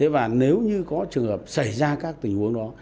và nếu như có trường hợp xảy ra các tình huống đó